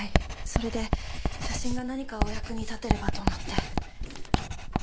それで写真が何かお役に立てればと思って。